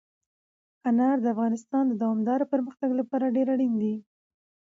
انار د افغانستان د دوامداره پرمختګ لپاره ډېر اړین دي.